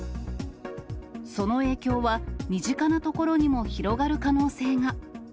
その影響は、身近な所にも広がる可能性が。